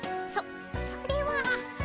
そそれは。